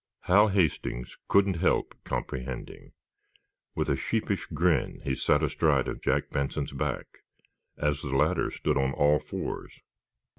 Hal Hastings couldn't help comprehending. With a sheepish grin he sat astride of Jack Benson's back as the latter stood on all fours.